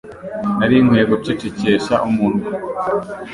Nari nkwiye gucecekesha umunwa.